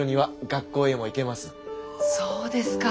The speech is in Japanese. そうですか。